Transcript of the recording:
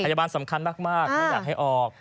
พยาบาลสำคัญมากไม่อยากให้ออก